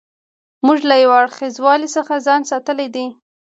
موږ له یو اړخیزوالي څخه ځان ساتلی دی.